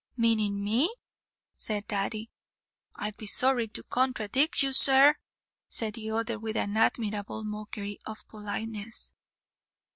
"Meanin' me?" said Daddy. "I'd be sorry to conthcradict you, sir," said the other with an admirable mockery of politeness.